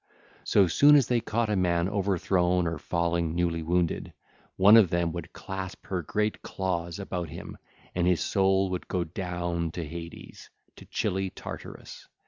So soon as they caught a man overthrown or falling newly wounded, one of them would clasp her great claws about him, and his soul would go down to Hades to chilly Tartarus.